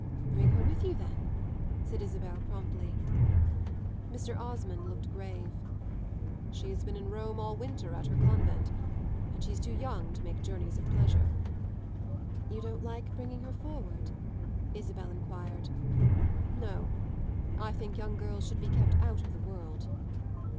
"Bring her with you then," said Isabel promptly. Mr. Osmond looked grave. "She has been in Rome all winter, at her convent; and she's too young to make journeys of pleasure." "You don't like bringing her forward?" Isabel enquired. "No, I think young girls should be kept out of the world."